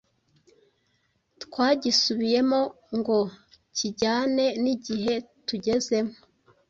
Twagisubiyemo ngo kijyane n’igihe tugezemo